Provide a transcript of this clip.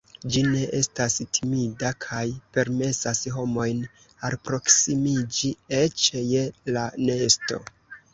Ĝi ne estas timida kaj permesas homojn alproksimiĝi eĉ je la nesto.